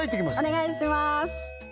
お願いします